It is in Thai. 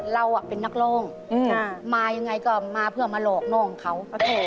เราเป็นนักร้องมายังไงก็มาเพื่อมาหลอกน้องเขา